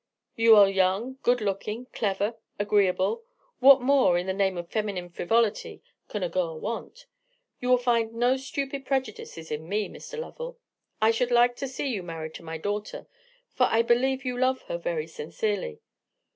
You are young, good looking, clever, agreeable: what more, in the name of feminine frivolity, can a girl want? You will find no stupid prejudices in me, Mr. Lovell. I should like to see you married to my daughter: for I believe you love her very sincerely.